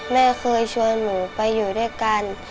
แม่เคยชวนหนูไปอยู่ด้วยกัน